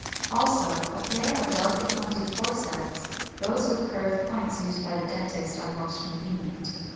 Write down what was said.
Also a pair of delicate pointed forceps; those with curved points used by the dentist are most convenient.